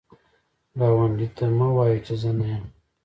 ګاونډي ته مه وایی چې زه نه یم